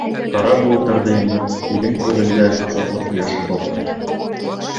Ҡара болоттарҙы еңеп, илең күгендә азатлыҡ ҡояшы балҡыны.